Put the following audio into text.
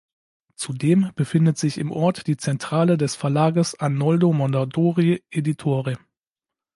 Zudem befindet sich im Ort die Zentrale des Verlages Arnoldo Mondadori Editore.